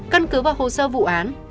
căn cứ vào hồ sơ vụ án